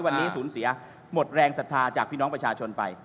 วันนี้สูญเสียหมดแรงศรัทธาจากพี่น้องประชาชนไป